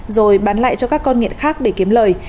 rồi bán lại cho các con nghiện khác để kiếm lời